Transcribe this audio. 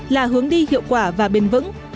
là hướng đi hiệu quả và bền vững